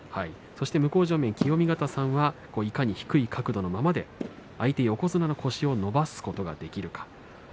向正面の清見潟さんはいかに低い角度のままで相手横綱の腰を伸ばすことができるか。